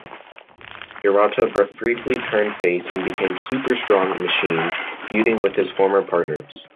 Hirata briefly turned face and became "Super" Strong Machine, feuding with his former partners.